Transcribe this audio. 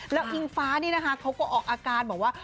แล้วอิงฟ้านี่นะคะเขาก็ออกอาการบอกว่า